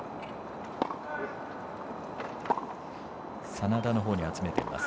眞田のほうに集めています。